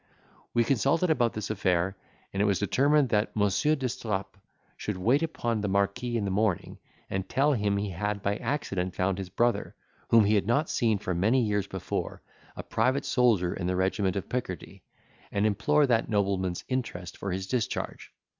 We consulted about this affair, and it was determined that Monsieur d'Estrapes should wait upon the Marquis in the morning, and tell him he had by accident found his brother, whom he had not seen for many years before, a private soldier in the regiment of Picardy, and implore that nobleman's interest for his discharge.